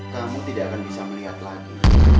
kamu tidak akan bisa melihat lagi